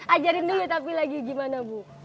ajarin dulu tapi lagi gimana bu